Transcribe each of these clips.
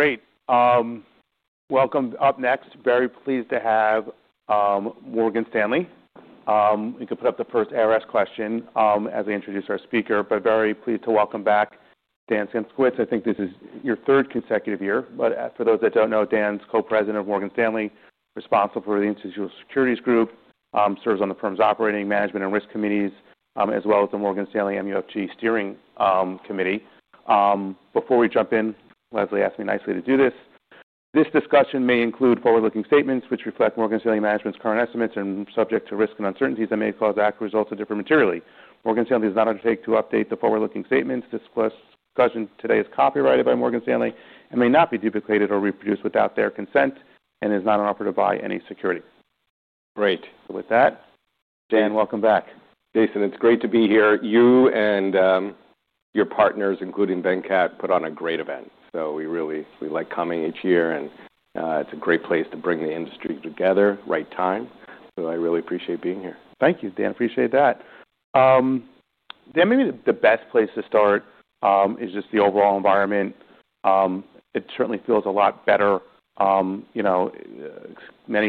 Great. Welcome. Up next, very pleased to have Morgan Stanley. You can put up the first IRS question as we introduce our speaker, but very pleased to welcome back Dan Simkowitz. I think this is your third consecutive year, but for those that don't know, Dan's Co-President of Morgan Stanley, responsible for the Institutional Securities Group, serves on the firm's operating, management and risk committees, as well as the Morgan Stanley MUFG steering committee. Before we jump in, Leslie asked me nicely to do this. This discussion may include forward-looking statements which reflect Morgan Stanley management's current estimates, and are subject to risks and uncertainties that may cause actual results to differ materially. Morgan Stanley does not undertake to update the forward-looking statements. This discussion today is copyrighted by Morgan Stanley, and may not be duplicated or reproduced without their consent and is not an offer to buy any securities. Great. With that, Dan, welcome back. Jason, it's great to be here. You and your partners, including Venkat, put on a great event. We really like coming each year, and it's a great place to bring the industry together, right time. I really appreciate being here. Thank you, Dan. Appreciate that. Dan, maybe the best place to start is just the overall environment. It certainly feels a lot better. Many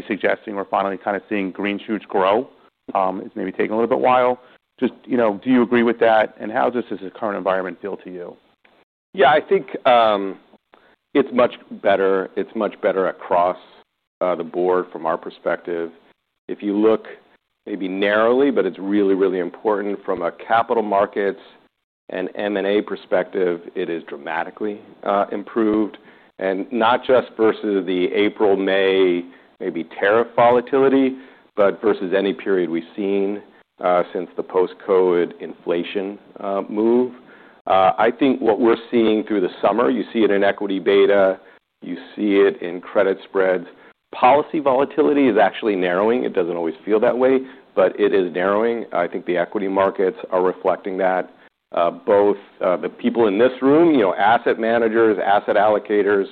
suggesting we're finally kind of seeing green shoots grow. It's maybe taking a little bit of a while. Just, do you agree with that? How does this current environment feel to you? Yeah, I think it's much better. It's much better across the board from our perspective. If you look maybe narrowly, but it's really, really important from a capital markets and M&A perspective, it is dramatically improved. Not just versus the April, May, maybe tariff volatility, but versus any period we've seen since the post-COVID inflation move. I think what we're seeing through the summer, you see it in equity beta, you see it in credit spreads. Policy volatility is actually narrowing. It doesn't always feel that way, but it is narrowing. I think the equity markets are reflecting that. Both the people in this room, you know, asset managers, asset allocators,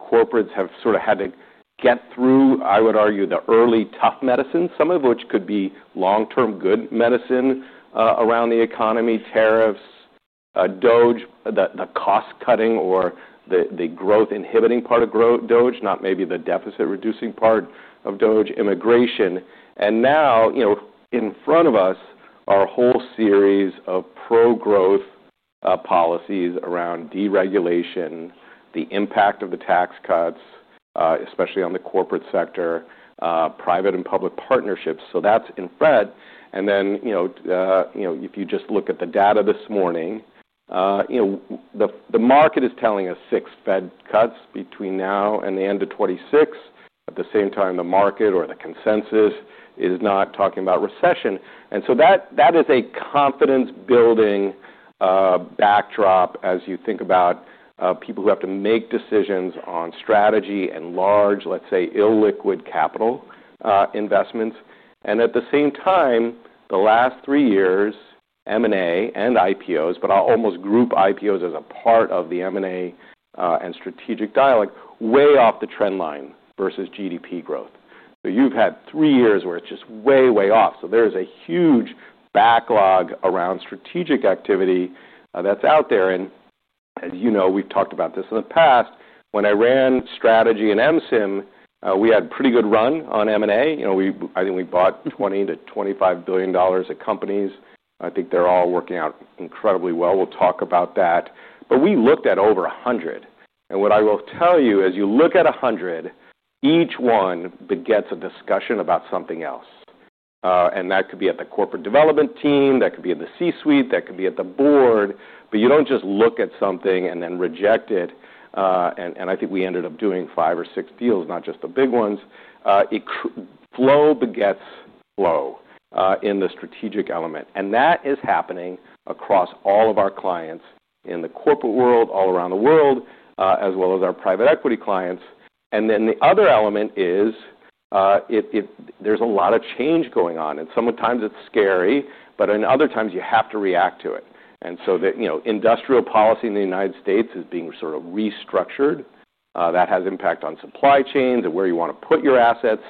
corporates have sort of had to get through, I would argue, the early tough medicine, some of which could be long-term good medicine around the economy, tariffs, DOGE, the cost cutting or the growth inhibiting part of DOGE, not maybe the deficit reducing part of DOGE, immigration. Now, you know, in front of us, our whole series of pro-growth policies around deregulation, the impact of the tax cuts especially on the corporate sector, private and public partnerships. That's in Fed. If you just look at the data this morning, the market is telling us six Fed cuts between now and the end of 2026. At the same time, the market or the consensus is not talking about recession. That is a confidence building backdrop as you think about people who have to make decisions on strategy and large, let's say, illiquid capital investments. At the same time, the last three years, M&A and IPOs, but I'll almost group IPOs as a part of the M&A and strategic dialogue, way off the trend line versus GDP growth. You've had three years where it's just way, way off. There is a huge backlog around strategic activity that's out there. As you know, we've talked about this in the past. When I ran strategy in MSIM we had a pretty good run on M&A. I think we bought $20 million-$25 billion at companies. I think they're all working out incredibly well. We'll talk about that. We looked at over 100. What I will tell you is you look at 100, each one begets a discussion about something else. That could be at the corporate development team, that could be at the C-suite, that could be at the board, but you don't just look at something and then reject it. I think we ended up doing five or six deals, not just the big ones. Flow begets flow in the strategic element. That is happening across all of our clients in the corporate world, all around the world, as well as our private equity clients. The other element is, there's a lot of change going on. Sometimes it's scary, but other times you have to react to it. The industrial policy in the United States is being sort of restructured. That has impact on supply chains and where you want to put your assets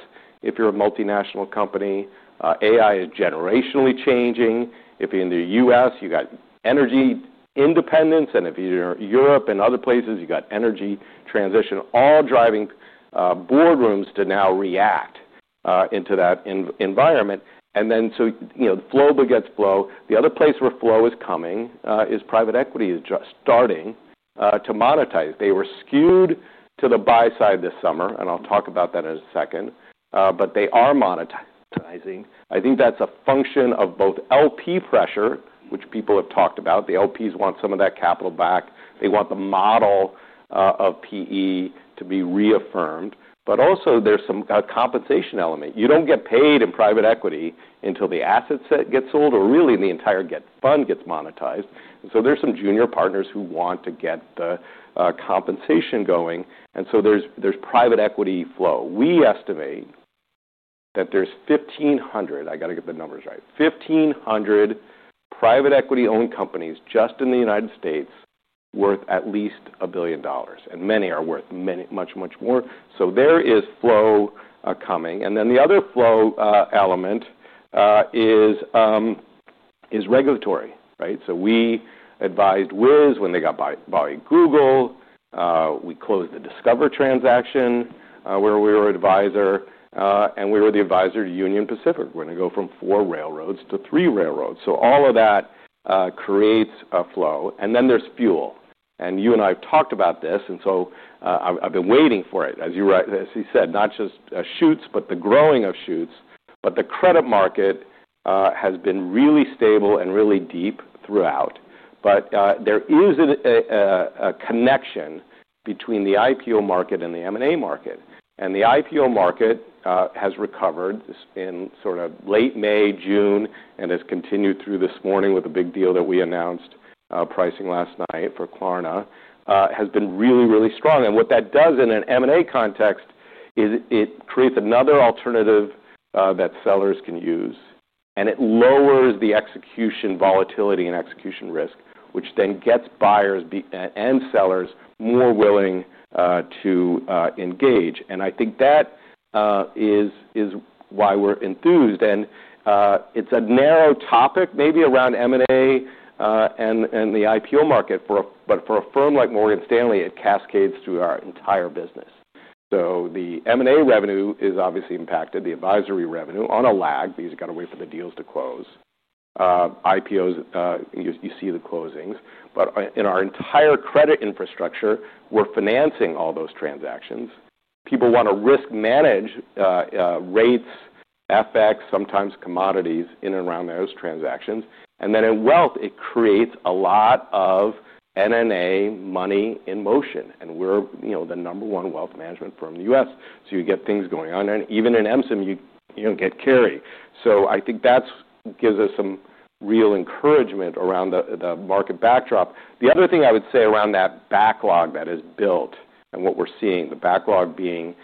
if you're a multinational company. AI is generationally changing. If you're in the U.S., you've got energy independence, and if you're in Europe and other places, you've got energy transition, all driving boardrooms to now react into that environment. The flow begets flow. The other place where flow is coming is private equity is just starting to monetize. They were skewed to the buy side this summer, and I'll talk about that in a second, but they are monetizing. I think that's a function of both LP pressure, which people have talked about. The LPs want some of that capital back. They want the model of PE to be reaffirmed. Also, there's some compensation element. You don't get paid in private equity until the assets get sold or really the entire fund gets monetized. There are some junior partners who want to get the compensation going. There's private equity flow. We estimate that there's 1,500, I got to get the numbers right, 1,500 private equity-owned companies just in the United States worth at least $1 billion, and many are worth much, much more, so there is flow coming. The other flow element is regulatory, right? We advised Wiz when they got bought by Google. We closed the Discover transaction, where we were an advisor, and we were the advisor to Union Pacific. We're going to go from four railroads to three railroads. All of that creates a flow, and then there's fuel. You and I have talked about this. I've been waiting for it. As you said, not just shoots, but the growing of shoots, but the credit market has been really stable and really deep throughout. There is a connection between the IPO market and the M&A market. The IPO market has recovered in sort of late May, June, and has continued through this morning with a big deal that we announced, pricing last night for Klarna, has been really, really strong. What that does in an M&A context, is it creates another alternative that sellers can use. It lowers the execution volatility and execution risk, which then gets buyers and sellers more willing to engage. I think that is why we're enthused. It's a narrow topic maybe around M&A and the IPO market, but for a firm like Morgan Stanley, it cascades through our entire business. The M&A revenue is obviously impacted, the advisory revenue, on a lag because you've got to wait for the deals to close. IPOs, you see the closings. In our entire credit infrastructure, we're financing all those transactions. People want to risk manage rates, FX, sometimes commodities in and around those transactions. In wealth, it creates a lot of M&A money in motion. We're the number one wealth management firm in the U.S., so you get things going on. Even in MSIM, you don't get carry. I think that gives us some real encouragement around the market backdrop. The other thing I would say around that backlog that is built and what we're seeing, the backlog being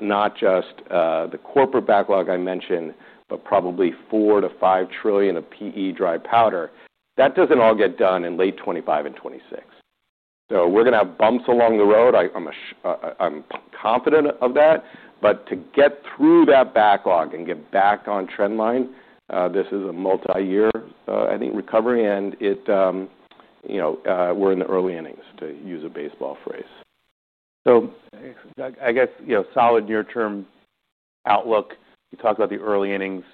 not just the corporate backlog I mentioned, but probably $4 trillion-$5 trillion of PE dry powder. That doesn't all get done in late 2025 and 2026. We're going to have bumps along the road. I'm confident of that. To get through that backlog and get back on trend line, this is a multi-year I think recovery. We're in the early innings, to use a baseball phrase. I guess, solid near-term outlook. You talked about the early innings.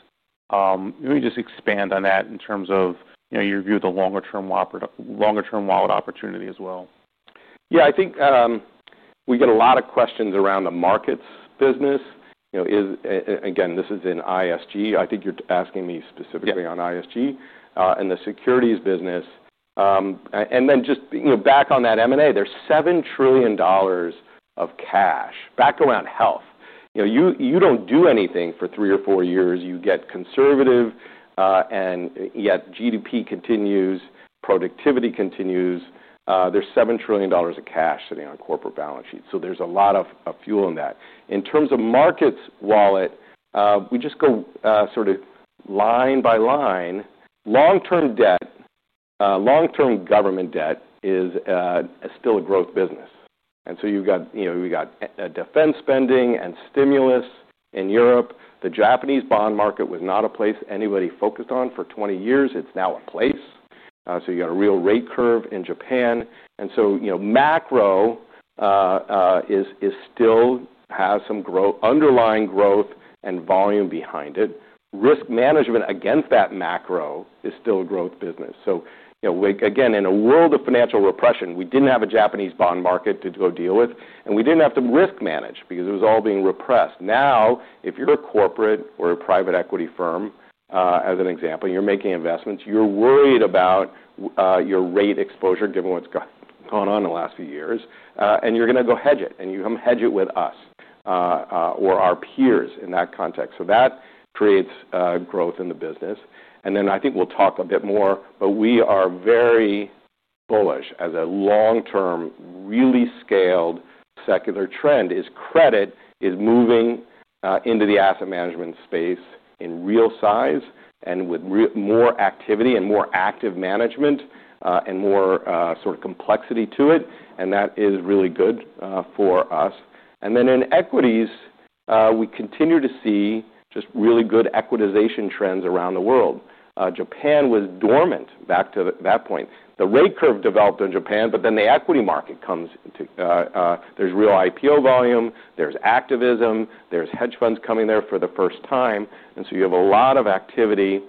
Let me just expand on that in terms of your view of the longer-term wallet opportunity as well. Yeah, I think we get a lot of questions around the markets business. Again, this is in ISG. I think you're asking me specifically on ISG and the securities business. Just back on that M&A, there's $7 trillion of cash back around health. You don't do anything for three or four years. You get conservative, and yet GDP continues, productivity continues. There's $7 trillion of cash sitting on corporate balance sheets. There's a lot of fuel in that. In terms of markets wallet, we just go line by line. Long-term government debt is still a growth business. We got defense spending and stimulus in Europe. The Japanese bond market was not a place anybody focused on for 20 years. It's now a place. You got a real rate curve in Japan. Macro still has some underlying growth and volume behind it. Risk management against that macro is still a growth business. Again, in a world of financial repression, we didn't have a Japanese bond market to go deal with. We didn't have to risk manage because it was all being repressed. Now, if you're a corporate or a private equity firm, as an example, you're making investments, you're worried about your rate exposure given what's gone on in the last few years, and you're going to go hedge it. You come hedge it with us, or our peers in that context. That creates growth in the business. I think we'll talk a bit more, but we are very bullish as a long-term, really scaled secular trend, is credit is moving into the asset management space in real size and with more activity and more active management, and more complexity to it. That is really good for us. In equities, we continue to see just really good equitization trends around the world. Japan was dormant, back to that point. The rate curve developed in Japan, but then the equity market comes to, there's real IPO volume, there's activism, there's hedge funds coming there for the first time. You have a lot of activity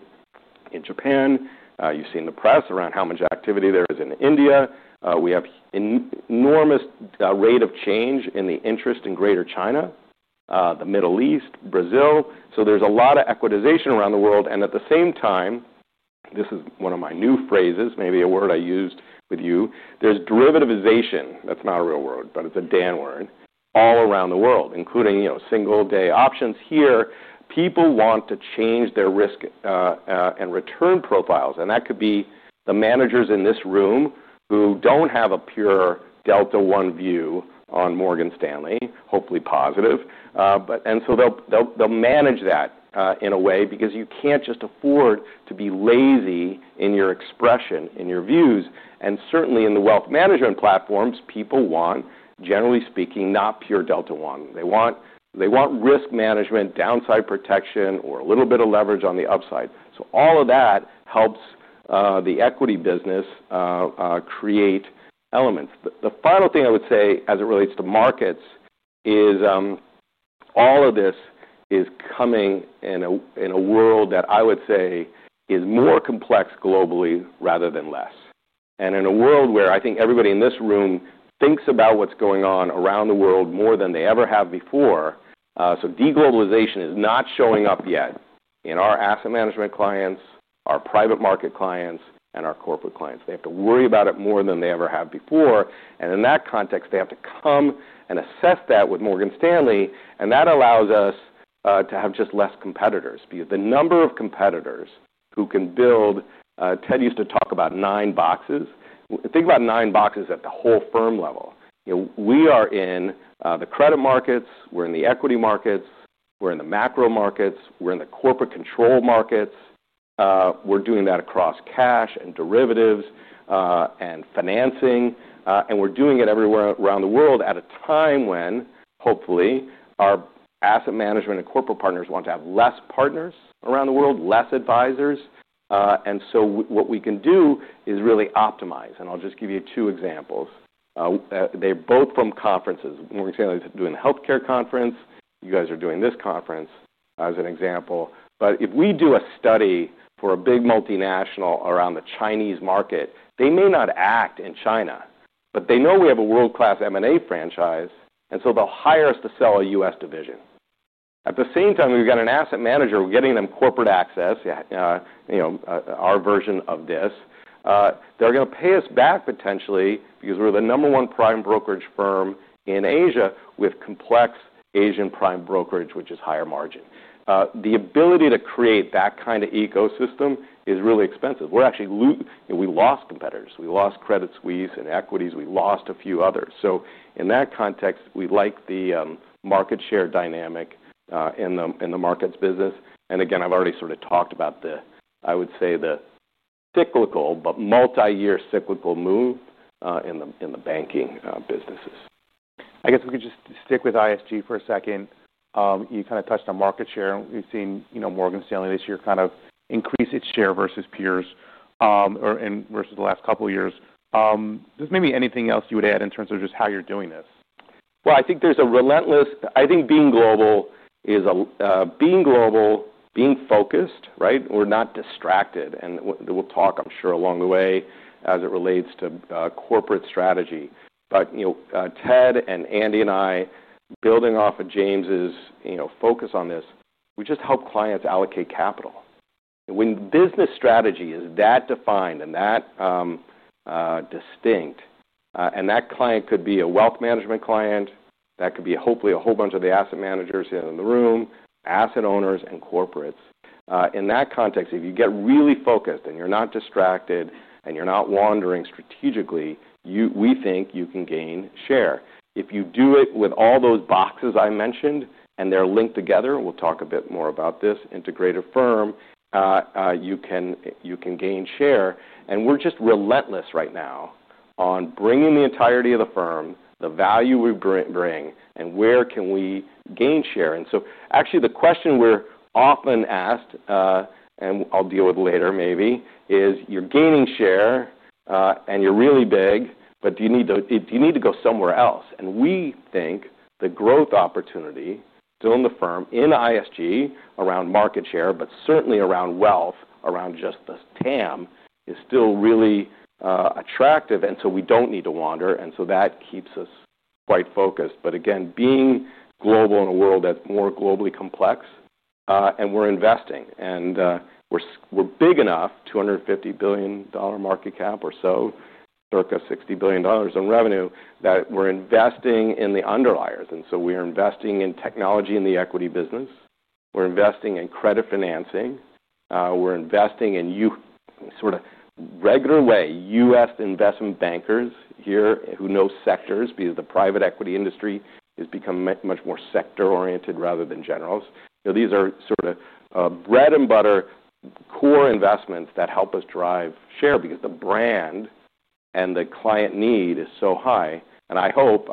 in Japan. You've seen the press around how much activity there is in India. We have an enormous rate of change in the interest in greater China, the Middle East, Brazil. There's a lot of equitization around the world. At the same time, this is one of my new phrases, maybe a word I used with you, there's derivativization, that's not a real word, but it's a Dan word, all around the world, including single-day options here. People want to change their risk and return profiles. That could be the managers in this room who don't have a pure Delta One view on Morgan Stanley, hopefully positive. They'll manage that in a way because you can't just afford to be lazy in your expression, in your views. Certainly, in the wealth management platforms, people want, generally speaking, not pure Delta One. They want risk management, downside protection, or a little bit of leverage on the upside. All of that helps the equity business create elements. The final thing I would say as it relates to markets, is all of this is coming in a world that I would say is more complex globally rather than less. In a world where I think everybody in this room thinks about what's going on around the world more than they ever have before, so deglobalization is not showing up yet in our asset management clients, our private market clients, and our corporate clients. They have to worry about it more than they ever have before. In that context, they have to come and assess that with Morgan Stanley. That allows us to have just less competitors. The number of competitors who can build, Ted used to talk about nine boxes, think about nine boxes at the whole firm level. We are in the credit markets, we're in the equity markets, we're in the macro markets, we're in the corporate control markets. We're doing that across cash, and derivatives and financing. We're doing it everywhere around the world at a time when hopefully, our asset management and corporate partners want to have less partners around the world, less advisors. What we can do is really optimize. I'll just give you two examples. They're both from conferences. Morgan Stanley is doing the healthcare conference. You guys are doing this conference, as an example. If we do a study for a big multinational around the Chinese market, they may not act in China, but they know we have a world-class M&A franchise, and so they'll hire us to sell a U.S. division. At the same time, we've got an asset manager. We're getting them corporate access, our version of this. They're going to pay us back potentially because we're the number one prime brokerage firm in Asia with complex Asian prime brokerage, which is higher margin. The ability to create that kind of ecosystem is really expensive. We're lost competitors. We lost Credit Suisse in equities. We lost a few others. In that context, we like the market share dynamic in the markets business. I've already talked about, I would say, the cyclical, but multi-year cyclical move in the banking businesses. I guess we could just stick with ISG for a second. You touched on market share. We've seen Morgan Stanley this year kind of increase its share versus peers and versus the last couple of years. There's maybe anything else you would add in terms of just how you're doing this. I think being global, being focused, we're not distracted. We'll talk, I'm sure, along the way as it relates to corporate strategy. Ted and Andy and I, building off of James's focus on this, we just help clients allocate capital. When business strategy is that defined and that distinct, and that client could be a wealth management client, that could be hopefully a whole bunch of the asset managers here in the room, asset owners, and corporates. In that context, if you get really focused and you're not distracted and you're not wandering strategically, we think you can gain share. If you do it with all those boxes I mentioned and they're linked together, we'll talk a bit more about this integrated firm, you can gain share. We're just relentless right now on bringing the entirety of the firm, the value we bring, and where can we gain share. Actually, the question we're often asked, and I'll deal with later maybe, is you're gaining share and you're really big, but do you need to go somewhere else? We think the growth opportunity still in the firm in ISG around market share, but certainly around wealth, around just this TAM, is still really attractive, and so we don't need to wander. That keeps us quite focused. Again, being global in a world that's more globally complex, and we're investing and we're big enough, $250 billion market cap or so, circa $60 billion in revenue, that we're investing in the underliers. We're investing in technology in the equity business. We're investing in credit financing. We're investing in youin a regular way, U.S. investment bankers here, who know sectors because the private equity industry has become much more sector-oriented rather than generals. These are sort of the bread and butter core investments that help us drive share, because the brand and the client need is so high.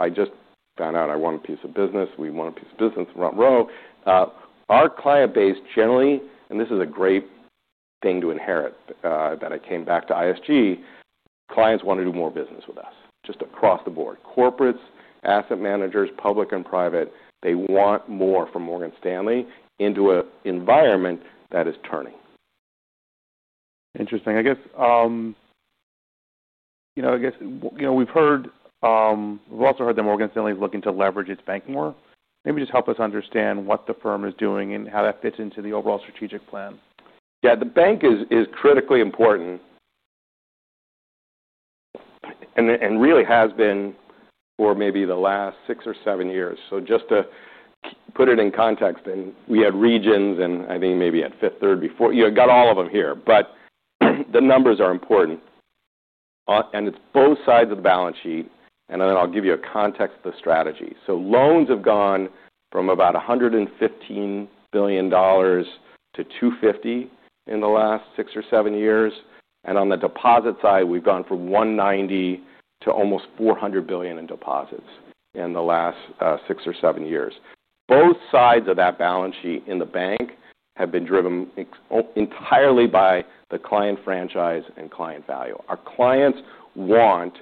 I just found out I won a piece of business. We won a piece of business. We're on row. Our client base generally, and this is a great thing to inherit, that I came back to ISG, clients want to do more business with us just across the board. Corporates, asset managers, public and private, they want more from Morgan Stanley, into an environment that is turning. Interesting. I guess we've also heard that Morgan Stanley is looking to leverage its bank more. Maybe just help us understand what the firm is doing and how that fits into the overall strategic plan. Yeah, the bank is critically important and really has been for maybe the last six or seven years. Just to put it in context, we had regions and I think maybe at Fifth Third before I got all of them here, but the numbers are important. It's both sides of the balance sheet, and then I'll give you a context of the strategy. Loans have gone from about $115 billion-$250 billion in the last six or seven years. On the deposit side, we've gone from $190 billion to almost $400 billion in deposits in the last six or seven years. Both sides of that balance sheet in the bank have been driven entirely by the client franchise and client value. Our clients want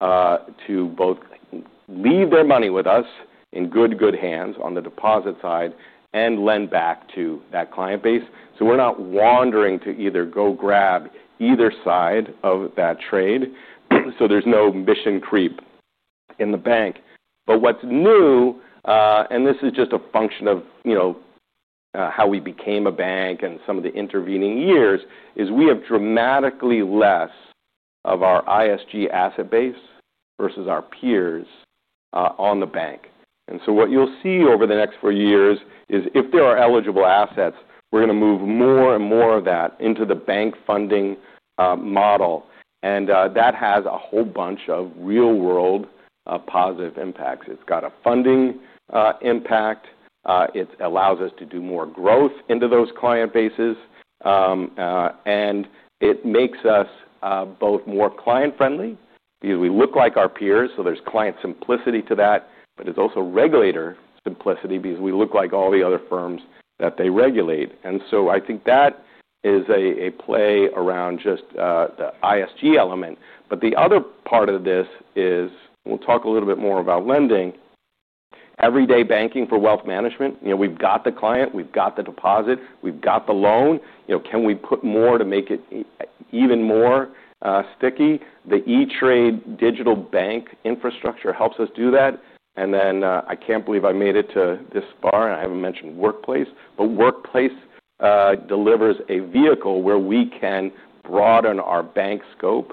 to both leave their money with us in good hands on the deposit side, and lend back to that client base. We're not wandering to either go grab either side of that trade. There's no mission creep in the bank. What's new, and this is just a function of how we became a bank and some of the intervening years, is we have dramatically less of our ISG asset base versus our peers on the bank. What you'll see over the next four years, is if there are eligible assets, we're going to move more and more of that into the bank funding model. That has a whole bunch of real-world positive impacts. It's got a funding impact. It allows us to do more growth into those client bases, and it makes us both more client-friendly because we look like our peers. There's client simplicity to that, but it's also regulator simplicity because we look like all the other firms that they regulate. I think that is a play around just the ISG element. The other part of this is, we'll talk a little bit more about lending. Everyday banking for wealth management, we've got the client, we've got the deposit, we've got the loan. Can we put more to make it even more sticky? The E*TRADE digital bank infrastructure helps us do that. I can't believe I made it this far and I haven't mentioned workplace, but workplace delivers a vehicle where we can broaden our bank scope.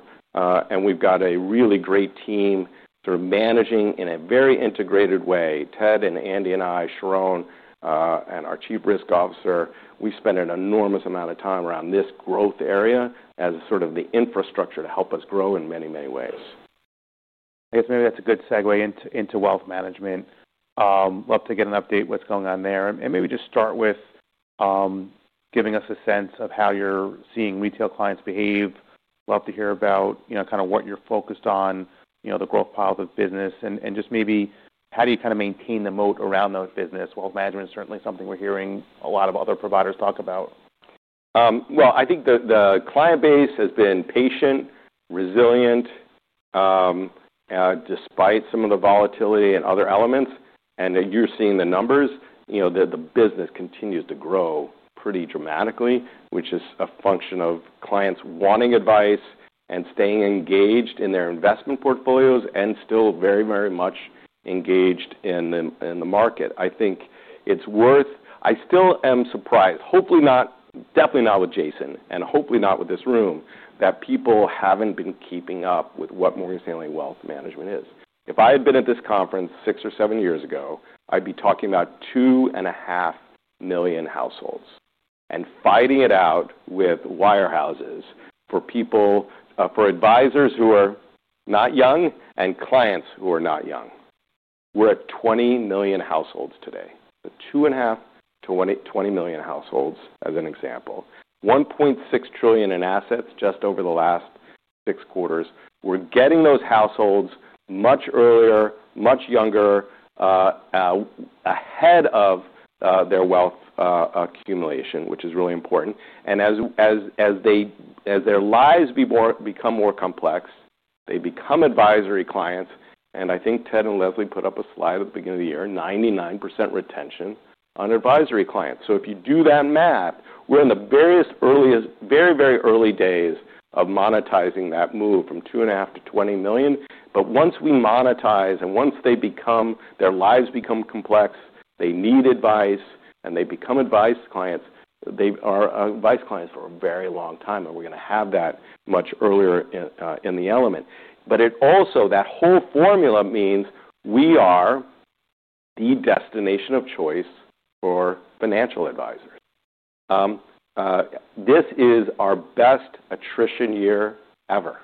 We've got a really great team managing it in a very integrated way. Ted and Andy and I, Sharon, and our Chief Risk Officer, we spend an enormous amount of time around this growth area as the infrastructure to help us grow in many ways. I guess maybe that's a good segue into wealth management. Love to get an update on what's going on there. Maybe just start with giving us a sense of how you're seeing retail clients behave. Love to hear about, you know, kind of what you're focused on, the growth path of business, and just maybe, how do you kind of maintain the moat around the business? Wealth management is certainly something we're hearing a lot of other providers talk about. I think the client base has been patient, resilient, despite some of the volatility and other elements. You're seeing the numbers, you know, the business continues to grow pretty dramatically, which is a function of clients wanting advice and staying engaged in their investment portfolios and still very, very much engaged in the market. I think it's worth, I still am surprised, definitely not with Jason and hopefully not with this room, that people haven't been keeping up with what Morgan Stanley wealth management is. If I had been at this conference six or seven years ago, I'd be talking about 2.5 million households and fighting it out with wirehouses, for advisors who are not young and clients who are not young. We're at 20 million households today, the 2.5 million to 20 million households, as an example. $1.6 trillion in assets just over the last six quarters. We're getting those households much earlier, much younger, ahead of their wealth accumulation, which is really important. As their lives become more complex, they become advisory clients. I think Ted and Leslie put up a slide at the beginning of the year, 99% retention on advisory clients. If you do that math, we're in the very, very early days of monetizing that move from 2.5 million to 20 million. Once we monetize and once their lives become complex, they need advice and they become advice clients, they are advice clients for a very long time, we're going to have that much earlier in the element. That whole formula means we are the destination of choice for financial advisors. This is our best attrition year ever.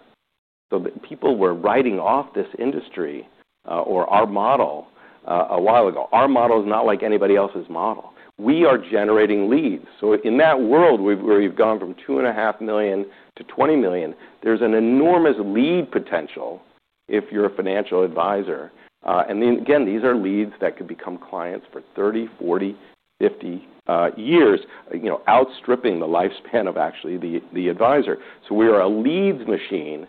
People were writing off this industry or our model a while ago. Our model is not like anybody else's model. We are generating leads. In that world where we've gone from 2.5 million to 20 million, there's an enormous lead potential if you're a financial advisor. These are leads that could become clients for 30 years, 40 years, 50 years, you know, outstripping the lifespan of actually the advisor. We are a leads machine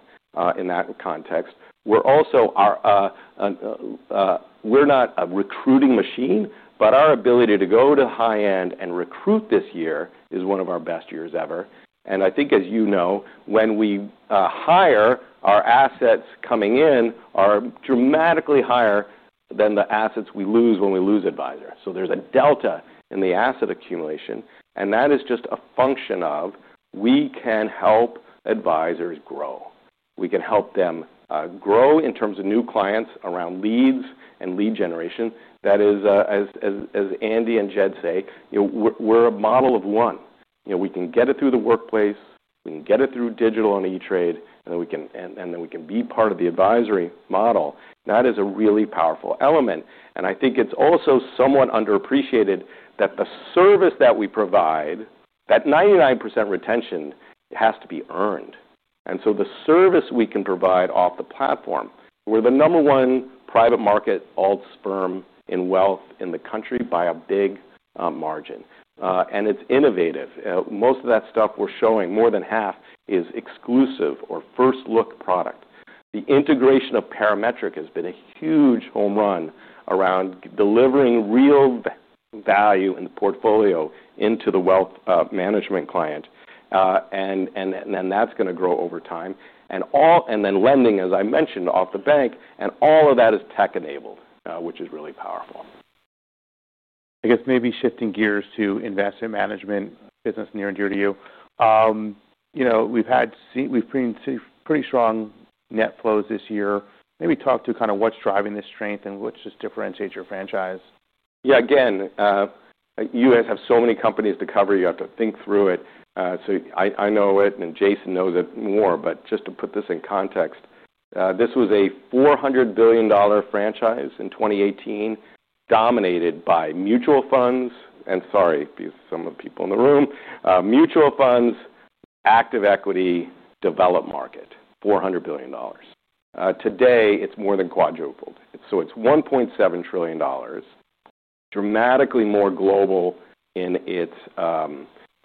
in that context. We're not a recruiting machine, but our ability to go to the high end and recruit this year is one of our best years ever. I think as you know, when we hire, our assets coming in are dramatically higher than the assets we lose when we lose advisors. There is a delta in the asset accumulation. That is just a function of, we can help advisors grow. We can help them grow in terms of new clients around leads and lead generation. That is, as Andy and Jed say, you know, we're a model of one. We can get it through the workplace, we can get it through digital on E*TRADE, and then we can be part of the advisory model. That is a really powerful element. I think it's also somewhat underappreciated that the service that we provide, that 99% retention has to be earned. The service we can provide off the platform, we're the number one private market alts firm in wealth in the country by a big margin. It's innovative. Most of that stuff we're showing, more than half is exclusive or first-look product. The integration of Parametric has been a huge home run around delivering real value in the portfolio into the wealth management client. That's going to grow over time. Lending, as I mentioned, off the bank, and all of that is tech enabled, which is really powerful. I guess maybe shifting gears to investment management, business near and dear to you, we've seen pretty strong net flows this year. Maybe talk to what's driving this strength and what differentiates your franchise. Yeah, again, you guys have so many companies to cover. You have to think through it. I know it and Jason knows it more, but just to put this in context, this was a $400 billion franchise in 2018, dominated by mutual funds, and sorry, some of the people in the room, mutual funds, active equity, developed market, $400 billion. Today it's more than quadrupled. It's $1.7 trillion, dramatically more global in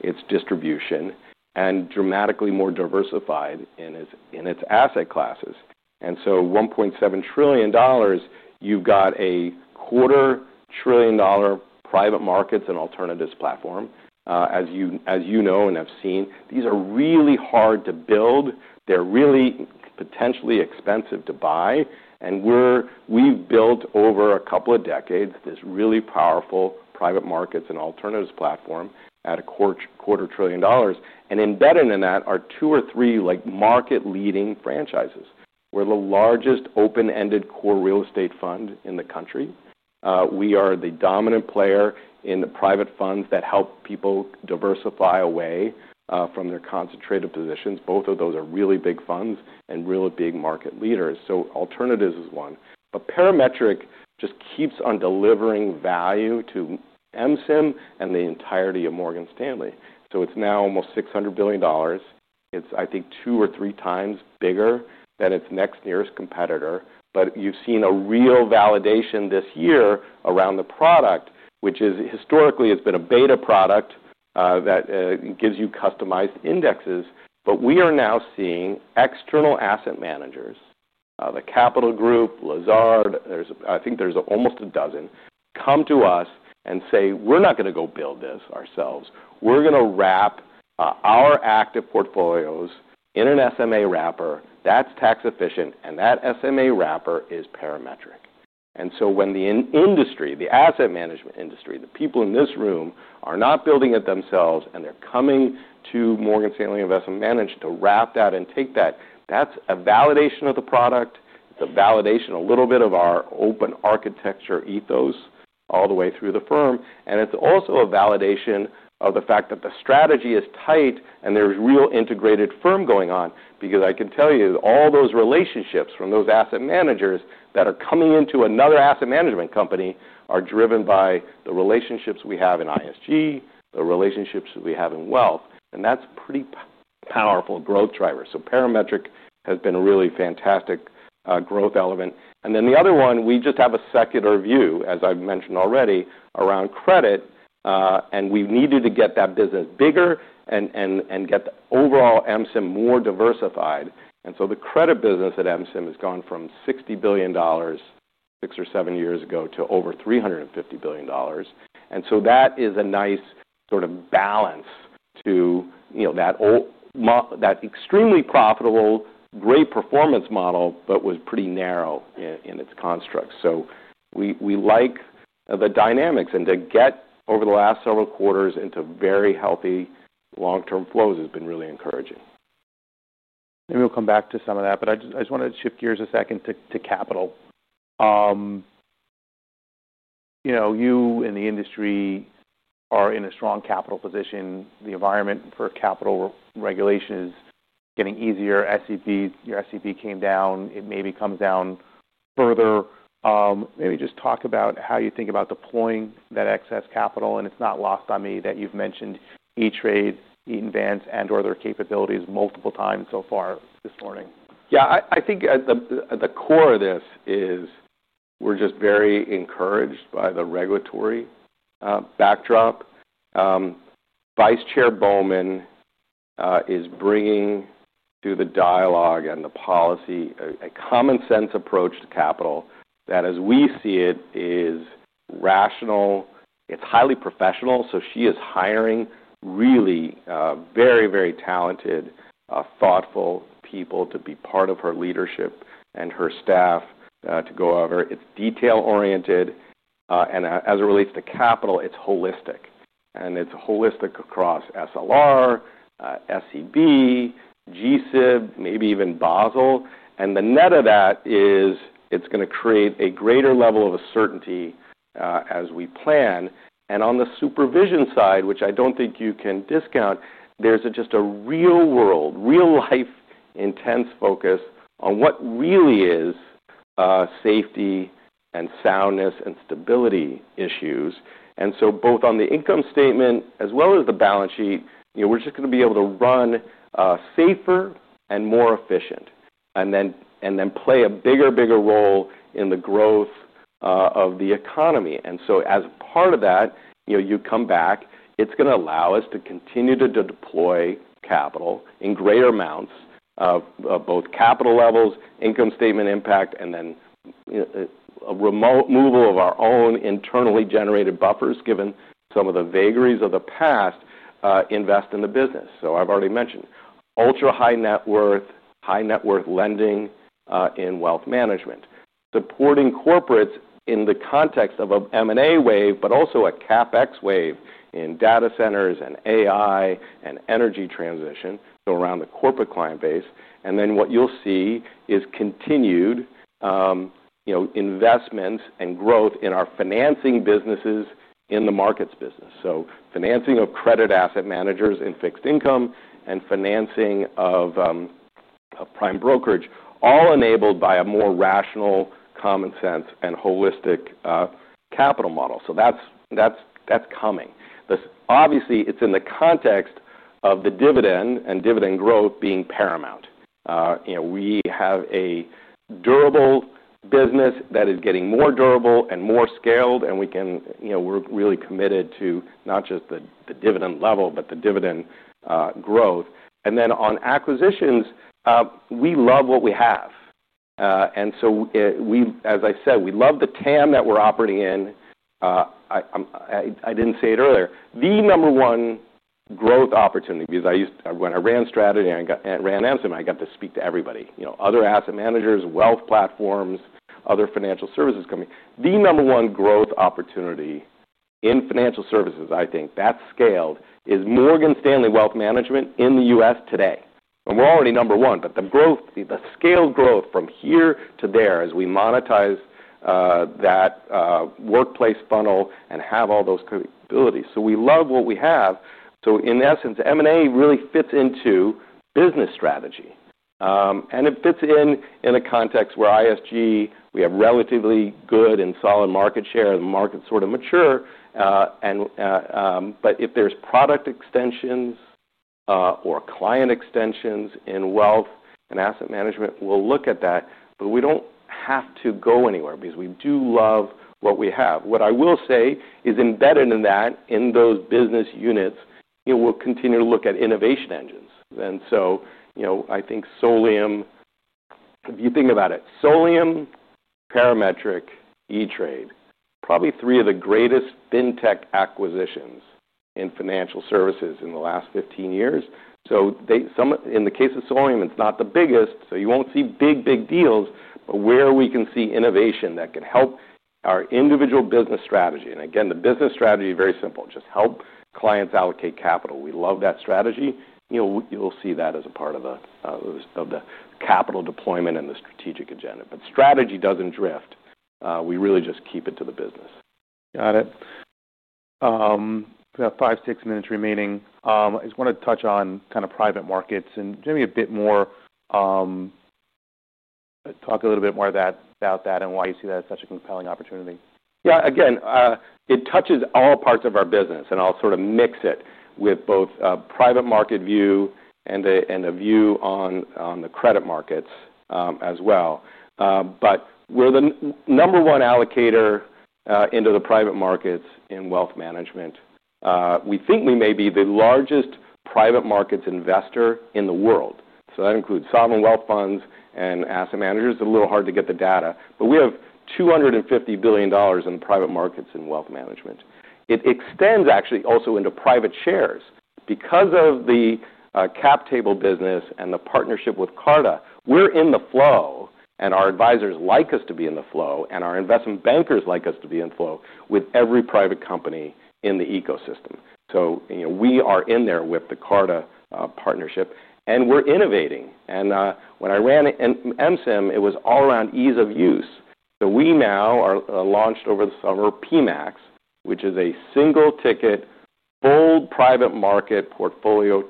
its distribution and dramatically more diversified in its asset classes. $1.7 trillion, you've got a 1/4 trillion dollar private markets and alternatives platform. As you know and have seen, these are really hard to build. They're really potentially expensive to buy. We've built over a couple of decades this really powerful private markets and alternatives platform at a 1/4 trillion dollars. Embedded in that, are two or three market leading franchises. We're the largest open-ended core real estate fund in the country. We are the dominant player in the private funds that help people diversify away from their concentrated positions. Both of those are really big funds and really big market leaders. Alternatives is one. Parametric just keeps on delivering value to MSIM and the entirety of Morgan Stanley. It's now almost $600 billion. It's I think two or three times bigger than its next nearest competitor. You've seen a real validation this year around the product, which historically, it's been a beta product that gives you customized indexes. We are now seeing external asset managers, the Capital Group, Lazard, I think there's almost a dozen, come to us and say, "We're not going to go build this ourselves. We're going to wrap our active portfolios in an SMA wrapper. That's tax-efficient, and that SMA wrapper is Parametric." When the industry, the asset management industry, the people in this room are not building it themselves and they're coming to Morgan Stanley Investment Management to wrap that and take that, that's a validation of the product, the validation of a little bit of our open architecture ethos all the way through the firm. It's also a validation of the fact that the strategy is tight and there's real integrated firm going on, because I can tell you, all those relationships from those asset managers that are coming into another asset management company are driven by the relationships we have in ISG, the relationships we have in wealth. That's a pretty powerful growth driver. Parametric has been a really fantastic growth element. The other one, we just have a secular view, as I've mentioned already, around credit, and we've needed to get that business bigger and get the overall MSIM more diversified. The credit business at MSIM has gone from $60 billion six or seven years ago to over $350 billion. That is a nice sort of balance to that extremely profitable, great performance model, but was pretty narrow in its construct. We like the dynamics, and to get over the last several quarters into very healthy long-term flows has been really encouraging. Maybe we'll come back to some of that, but I just wanted to shift gears a second to capital. You know, you and the industry are in a strong capital position. The environment for capital regulation is getting easier. Your SEP came down. It maybe comes down further. Maybe just talk about how you think about deploying that excess capital, and it's not lost on me that you've mentioned E*TRADE, Eaton Vance, and/or their capabilities multiple times so far this morning. Yeah, I think at the core of this is we're just very encouraged by the regulatory backdrop. Vice Chair Bowman is bringing to the dialogue and the policy a common-sense approach to capital that as we see it, it is rational. It's highly professional. She is hiring really very, very talented, thoughtful people to be part of her leadership and her staff to go over. It's detail-oriented, and as it relates to capital, it's holistic. It's holistic across SLR, SEB, G-SIB, maybe even Basel. The net of that is it's going to create a greater level of certainty as we plan. On the supervision side, which I don't think you can discount, there's just a real-world, real-life intense focus on what really is safety and soundness and stability issues. Both on the income statement as well as the balance sheet, we're just going to be able to run safer and more efficient, and then play a bigger, bigger role in the growth of the economy. As part of that, you come back, it's going to allow us to continue to deploy capital in greater amounts of both capital le, vels, income statement impact, and then a remote move of our own internally-generated buffers, given some of the vagaries of the past, invest in the business. I've already mentioned ultra high net worth, high net worth lending in wealth management, supporting corporates in the context of an M&A wave, but also, a CapEx wave in data centers and AI and energy transition, so around the corporate client base. What you'll see is continued investments and growth in our financing businesses in the markets business. Financing of credit asset managers in fixed income and financing of a prime brokerage, all enabled by a more rational, common-sense, and holistic capital model. That's coming. This obviously is in the context of the dividend and dividend growth being paramount. We have a durable business that is getting more durable and more scaled, and we're really committed to not just the dividend level, but the dividend growth. On acquisitions, we love what we have. As I said, we love the TAM that we're operating in. I didn't say it earlier, the number one growth opportunity, because when I ran strategy and ran MSIM, I got to speak to everybody, other asset managers, wealth platforms, other financial services companies. The number one growth opportunity in financial services, I think that's scaled, is Morgan Stanley Wealth Management in the U.S. today. We're already number one, but that scaled growth from here to there as we monetize that workplace funnel and have all those capabilities. We love what we have. In essence, M&A really fits into business strategy, and it fitsin, in a context where ISG, we have relatively good and solid market share, and the market's sort of mature. If there's product extensions or client extensions in wealth and asset management, we'll look at that. We don't have to go anywhere because we do love what we have. What I will say is embedded in that, in those business units, and we'll continue to look at innovation engines. I think if you think about it, Solium, Parametric, E*TRADE, probably three of the greatest fintech acquisitions in financial services in the last 15 years. In the case of Solium, it's not the biggest, so you won't see big, big deals, but where we can see innovation, that could help our individual business strategy. Again, the business strategy is very simple, just help clients allocate capital. We love that strategy. You'll see that as a part of the capital deployment and the strategic agenda. Strategy doesn't drift. We really just keep it to the business. Got it. We have five, six minutes remaining. I just want to touch on kind of private markets and maybe a bit more, talk a little bit more about that and why you see that as such a compelling opportunity. Yeah, again, it touches all parts of our business, and I'll sort of mix it with both a private market view and a view on the credit markets as well. We're the number one allocator into the private markets in wealth management. We think we may be the largest private markets investor in the world. That includes sovereign wealth funds and asset managers. It's a little hard to get the data, but we have $250 billion in private markets in wealth management. It extends actually also into private shares, because of the cap table business and the partnership with Carta, we're in the flow and our advisors like us to be in the flow, and our investment bankers like us to be in flow with every private company in the ecosystem. We are in there with the Carta partnership and we're innovating. When I ran MSIM, it was all around ease of use. We now launched over the summer PMAX, which is a single ticket, bold private market portfolio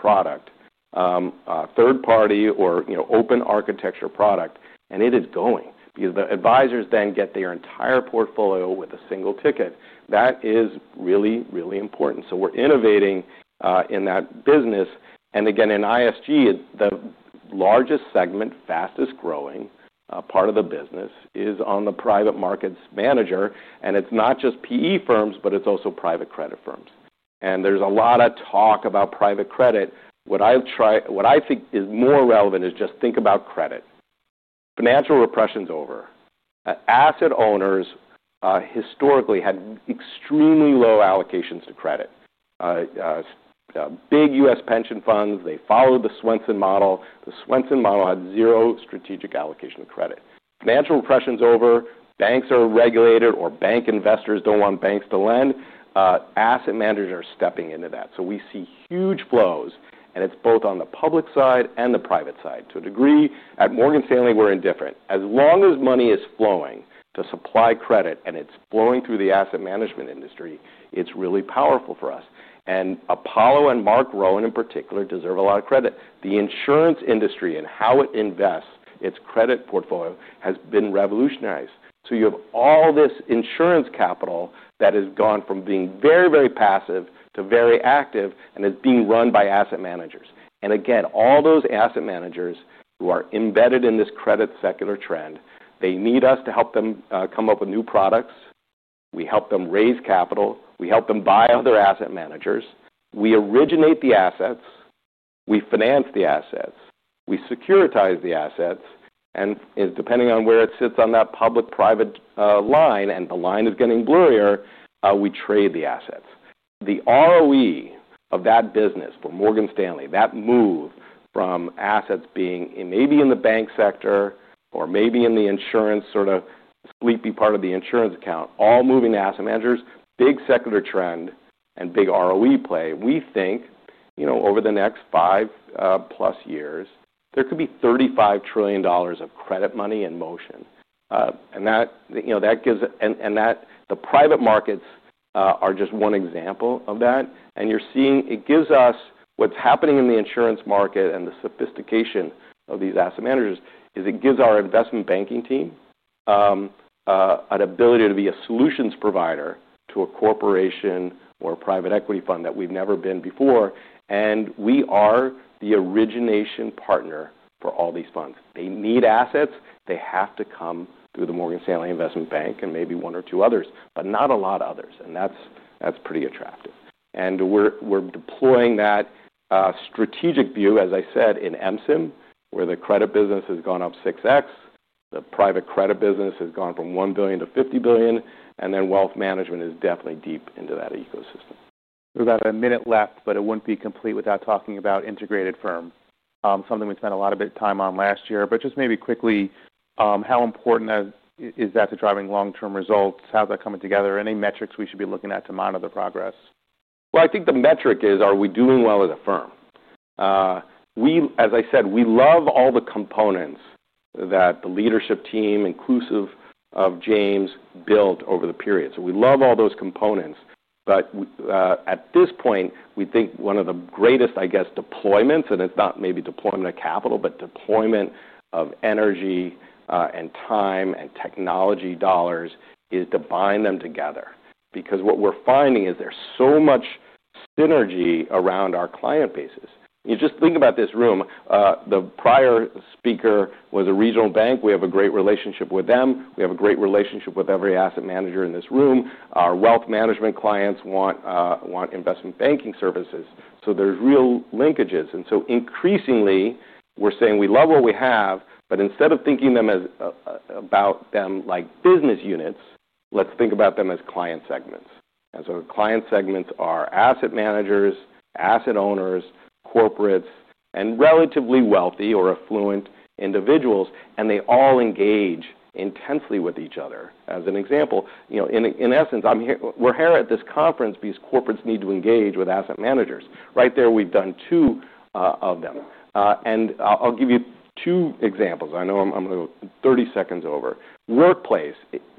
product, third party or, you know, open architecture product, and it is going. The advisors then get their entire portfolio with a single ticket. That is really, really important. We're innovating in that business. Again, in ISG, the largest segment, fastest growing part of the business is on the private markets manager. It's not just PE firms, but it's also private credit firms. There is a lot of talk about private credit. What I think is more relevant is just, think about credit. Financial repression is over. Asset owners historically had extremely low allocations to credit. Big U.S. pension funds, they followed the Swensen model. The Swensen model had zero strategic allocation of credit. Financial repression is over. Banks are regulated or bank investors don't want banks to lend, asset managers are stepping into that. We see huge flows, and it's both on the public side and the private side. To a degree, at Morgan Stanley, we're indifferent. As long as money is flowing to supply credit and it's flowing through the asset management industry, it's really powerful for us. Apollo and Marc Rowan in particular deserve a lot of credit. The insurance industry and how it invests, its credit portfolio has been revolutionized. You have all this insurance capital that has gone from being very, very passive to very active, and is being run by asset managers. Again, all those asset managers who are embedded in this credit secular trend, they need us to help them come up with new products. We help them raise capital. We help them buy other asset managers. We originate the assets. We finance the assets. We securitize the assets. Depending on where it sits on that public-private line, and the line is getting blurrier, we trade the assets. The ROE of that business for Morgan Stanley, that move from assets being maybe in the bank sector or maybe in the sleepy part of the insurance account, all moving to asset managers, big secular trend and big ROE play. We think, you know, over the next five-plus years, there could be $35 trillion of credit money in motion. The private markets are just one example of that. What's happening in the insurance market and the sophistication of these asset managers, is it gives our investment banking team an ability to be a solutions provider to a corporation or a private equity fund that we've never been before. We are the origination partner for all these funds. They need assets. They have to come through the Morgan Stanley Investment Bank and maybe one or two others, but not a lot of others. That's pretty attractive. We're deploying that strategic view, as I said, in MSIM, where the credit business has gone up 6x, the private credit business has gone from $1 billion to $50 billion and then wealth management is definitely deep into that ecosystem. We've got a minute left, but it wouldn't be complete without talking about integrated firms, something we spent a lot of time on last year. Just maybe quickly, how important is that to driving long-term results? How's that coming together? Any metrics we should be looking at to monitor the progress? I think the metric is, are we doing well as a firm? As I said, we love all the components that the leadership team, inclusive of James, built over the period. We love all those components. At this point, we think one of the greatest, I guess, deployments, and it's not maybe deployment of capital, but deployment of energy, and time and technology dollars, is to bind them together. What we're finding is, there's so much synergy around our client bases. You just think about this room. The prior speaker was a regional bank. We have a great relationship with them. We have a great relationship with every asset manager in this room. Our wealth management clients want investment banking services. There's real linkages. Increasingly, "We're saying we love what we have, but instead of thinking about them like business units, let's think about them as client segments." The client segments are asset managers, asset owners, corporates, and relatively wealthy or affluent individuals. They all engage intensely with each other. As an example, in essence, we're here at this conference because corporates need to engage with asset managers. Right there, we've done two of them. I'll give you two examples. I know I'm 30 seconds over. Workplace,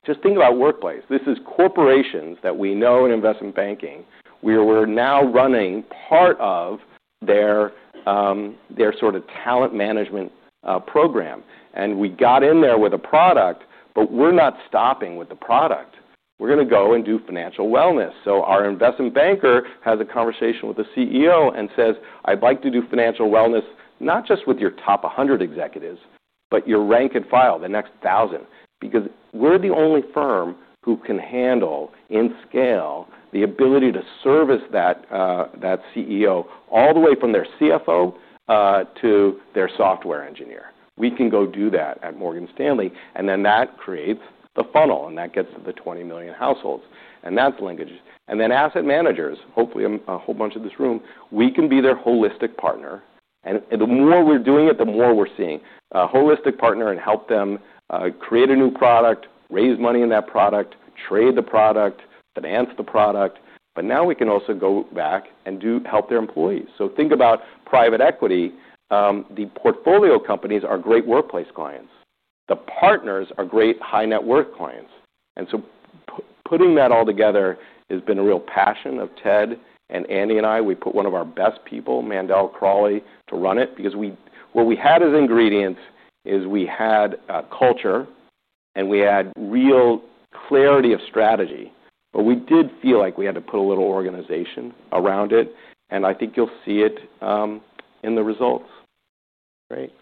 just think about Workplace. This is corporations that we know in investment banking. We're now running part of their sort of talent management program. We got in there with a product, but we're not stopping with the product. We're going to go and do financial wellness. Our investment banker has a conversation with the CEO and says, "I'd like to do financial wellness, not just with your top 100 executives, but your rank and file, the next thousands." We're the only firm who can handle in scale, the ability to service that CEO, all the way from their CFO to their software engineer. We can go do that at Morgan Stanley. That creates the funnel and that gets to the 20 million households. Asset managers, hopefully a whole bunch of this room, we can be their holistic partner. The more we're doing it, the more we're seeing. A holistic partner, and help them create a new product, raise money in that product, trade the product, finance the product. Now we can also go back and help their employees. Think about private equity. The portfolio companies are great workplace clients. The partners are great high-net-worth clients. Putting that all together has been a real passion of Ted, Andy, and I. We put one of our best people, Mandel Crawley, to run it because what we had as ingredients, is we had a culture and we had real clarity of strategy, but we did feel like we had to put a little organization around it. I think you'll see it in the results.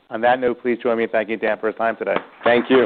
On that note, please join me in thanking Dan for our time today. Thank you.